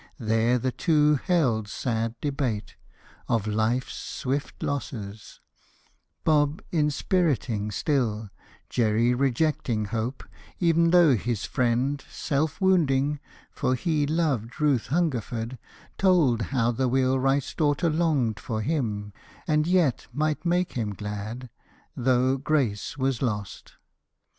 There the two held sad debate Of life's swift losses, Bob inspiriting still, Jerry rejecting hope, ev'n though his friend, Self wounding (for he loved Ruth Hungerford), Told how the wheelwright's daughter longed for him, And yet might make him glad, though Grace was lost.